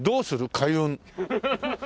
開運！」